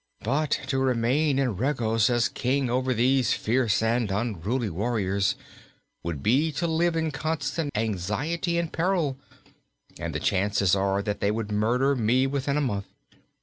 But to remain in Regos, as King over these fierce and unruly warriors, would be to live in constant anxiety and peril, and the chances are that they would murder me within a month.